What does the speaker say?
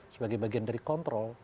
sebagai bagian dari kontrol